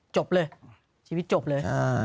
จบเลยชีวิตจบเลย